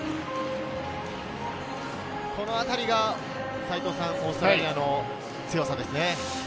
このあたりがオーストラリアの強さですね。